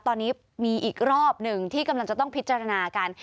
ตอนนี้มีอีกรอบหนึ่งที่กำลังจะต้องพิจารณากัน